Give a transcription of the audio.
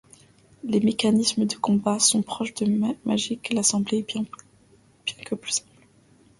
Les mécanismes de combat sont proches de Magic l'assemblée, bien que plus simples.